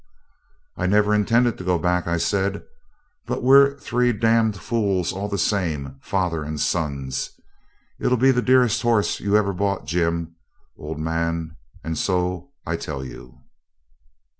'I never intended to go back,' I said. 'But we're three d d fools all the same father and sons. It'll be the dearest horse you ever bought, Jim, old man, and so I tell you.'